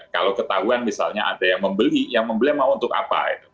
kalau ketahuan misalnya ada yang membeli yang membeli mau untuk apa